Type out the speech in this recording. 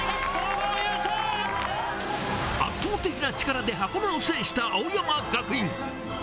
圧倒的な力で箱根を制した青山学院。